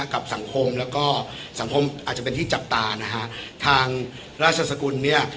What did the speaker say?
กับสังคมแล้วก็สังคมอาจจะเป็นที่จับตานะฮะทางราชสกุลเนี่ย